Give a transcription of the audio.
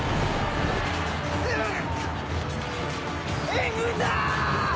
援軍だ！